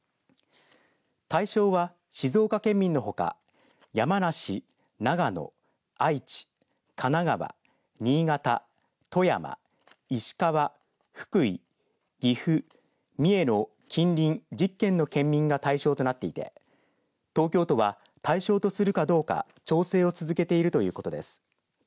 対象は、静岡県民のほか山梨、長野、愛知神奈川、新潟、富山石川、福井、岐阜三重の近隣１０県の県民が対象となっていて東京都は対象とするかどうか調整を続けているということです。